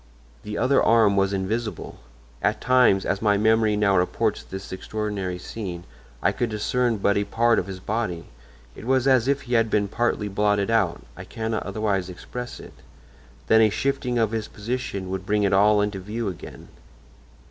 The other arm was invisible. At times, as my memory now reports this extraordinary scene, I could discern but a part of his body; it was as if he had been partly blotted out—I cannot otherwise express it—then a shifting of his position would bring it all into view again.